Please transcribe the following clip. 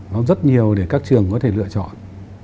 nó rất nhiều để các trường có thể lựa chọn